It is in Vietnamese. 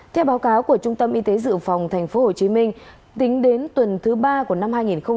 theo báo cáo của trung tâm y tế dự phòng tp hcm tính đến tuần thứ ba của năm hai nghìn hai mươi